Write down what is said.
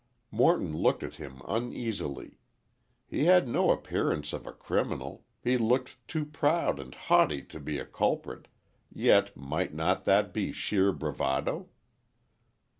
Morton looked at him uneasily. He had no appearance of a criminal, he looked too proud and haughty to be a culprit, yet might that not be sheer bravado?